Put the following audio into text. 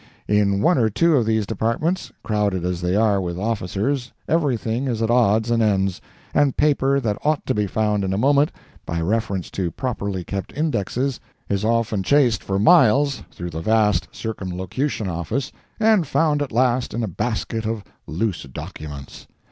In one or two of these Departments, crowded as they are with officers, everything is at odds and ends, and paper that ought to be found in a moment, by reference to properly kept indexes, is often chased for miles through the vast Circumlocution Office and found at last in a basket of loose documents!